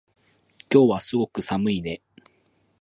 今日はすごく寒いね